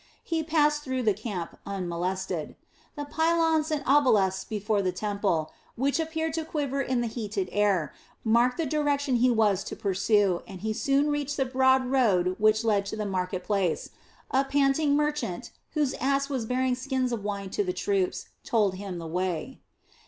He passed through the camp unmolested. The pylons and obelisks before the temples, which appeared to quiver in the heated air, marked the direction he was to pursue, and he soon reached the broad road which led to the market place a panting merchant whose ass was bearing skins of wine to the troops, told him the way.